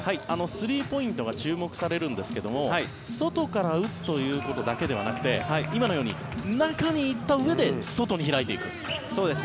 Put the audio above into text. スリーポイントが注目されるんですが外から打つということだけではなく今のように中に行ったうえで外に開いていく。